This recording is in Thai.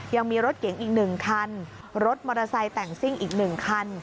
ยังมีรถเก๋งอีกหนึ่งคันรถมอเตอร์ไซด์แต่งซิ้งอีกหนึ่งคัน